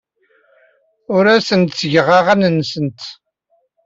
Ur asent-ttgeɣ aɣanen-nsent.